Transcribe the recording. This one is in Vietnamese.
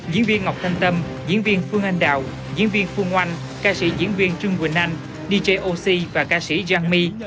diễn viên ngọc thanh tâm diễn viên phương anh đạo diễn viên phương oanh ca sĩ diễn viên trương quỳnh anh dj oxy và ca sĩ giang my